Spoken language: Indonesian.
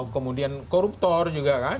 kemudian koruptor juga kan